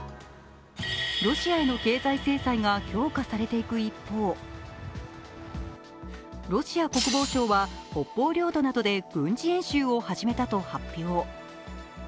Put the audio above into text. ロシアへの経済制裁が強化されていく一方、ロシア国防省は北方領土などで軍事演習を始めたと発表。